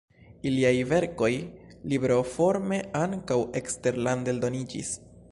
Iliaj verkoj libroforme ankaŭ eksterlande eldoniĝis.